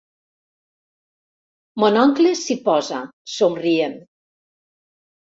Mon oncle s'hi posa, somrient.